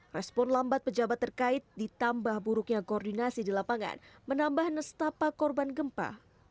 respon lambat pejabat terkait ditambah buruknya koordinasi di lapangan menambah nestapa korban gempa